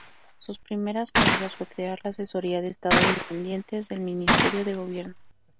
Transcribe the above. Sus primeras medidas fue crear la Asesoría de Estado dependiente del ministerio de gobierno.